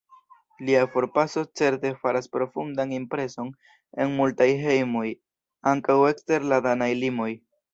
Lia forpaso certe faras profundan impreson en multaj hejmoj, ankaŭ ekster la danaj limoj.